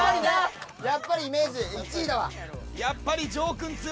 やっぱりイメージ１位だわ。